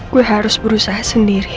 gue harus selamat